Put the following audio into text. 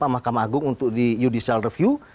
mahkamah agung untuk di judicial review